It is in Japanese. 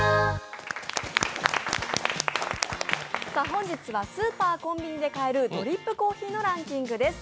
本日はスーパー、コンビニで買えるドリップコーヒーのランキングです。